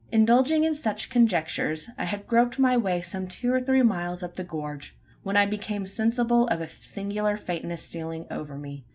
Indulging in such conjectures, I had groped my way some two or three miles up the gorge, when I became sensible of a singular faintness stealing over me.